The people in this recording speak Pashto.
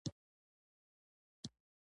د فریج رڼا کمزورې وه.